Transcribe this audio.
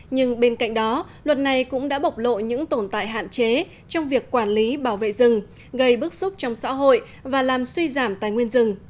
nhưng bên cạnh đó luật này cũng đã bộc lộ những tồn tại hạn chế trong việc quản lý bảo vệ rừng gây bức xúc trong xã hội và làm suy giảm tài nguyên rừng